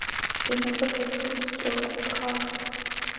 შენობა გეგმით სწორკუთხაა.